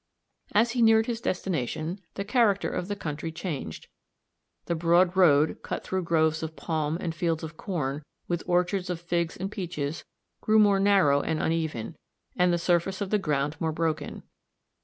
As he neared his destination, the character of the country changed. The broad road, cut through groves of palm, and fields of corn, with orchards of figs and peaches, grew more narrow and uneven, and the surface of the ground more broken.